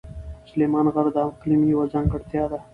سلیمان غر د اقلیم یوه ځانګړتیا ده.